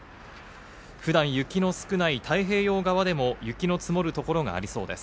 普段、雪の少ない太平洋側でも雪の積もる所がありそうです。